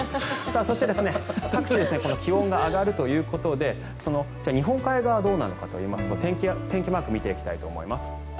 そして、各地気温が上がるということで日本海側はどうなのかといいますと天気マーク見ていきたいと思います。